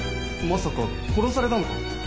・まさか殺されたのか？